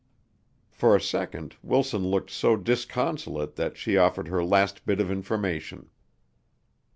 For a second Wilson looked so disconsolate that she offered her last bit of information.